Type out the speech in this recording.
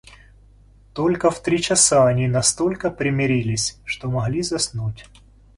Только в три часа они настолько примирились, что могли заснуть.